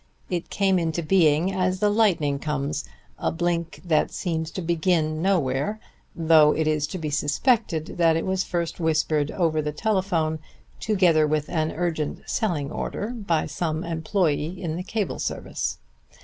It came into being as the lightning comes, a blink that seems to begin nowhere; though it is to be suspected that it was first whispered over the telephone together with an urgent selling order by some employee in the cable service.